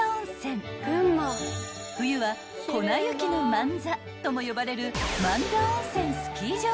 ［冬は粉雪の万座とも呼ばれる］